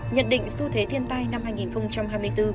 nhận định xu thế thiên tai năm hai nghìn hai mươi bốn